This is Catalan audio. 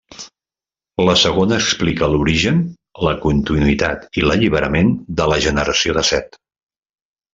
La segona explica l'origen, la continuïtat i l'alliberament de la generació de Set.